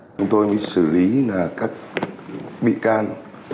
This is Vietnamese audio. chúng tôi xử lý các bị can